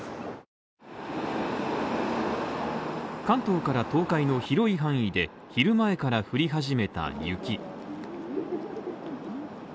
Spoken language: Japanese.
関東から東海の広い範囲で、昼前から降り始めた雪。